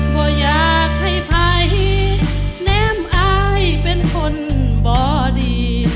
บ่อยากให้ภัยแนมอายเป็นคนบ่ดี